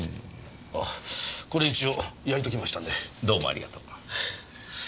あこれ一応焼いときましたんで。どうもありがとう。